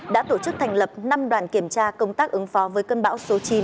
đã tổ chức thành lập năm đoàn kiểm tra công tác ứng phó với cơn bão số chín